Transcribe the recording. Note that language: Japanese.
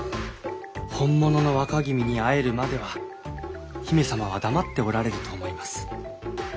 本物の若君に会えるまでは姫様は黙っておられると思います。